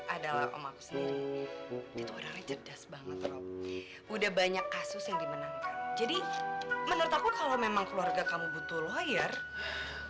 adalah om aku sendiri itu orangnya cerdas banget rob udah banyak kasus yang dimenangkan jadi menurut aku kalau memang keluarga kamu butuh lawyer